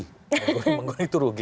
goreng menggoreng itu rugi